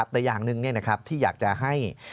แต่อย่างนึงนะครับที่อยากจะให้